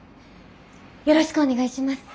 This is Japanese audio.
よろしくお願いします。